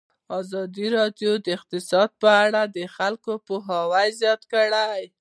ازادي راډیو د اقتصاد په اړه د خلکو پوهاوی زیات کړی.